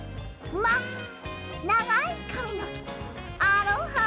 まあながいかみのアロハ！